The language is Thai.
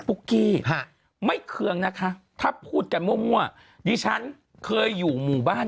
ุ๊กกี้ไม่เคืองนะคะถ้าพูดกันมั่วดิฉันเคยอยู่หมู่บ้าน